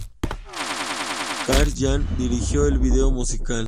Karl giant dirigió el video musical.